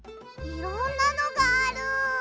いろんなのがある。